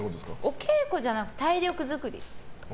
お稽古じゃなくて体力づくり。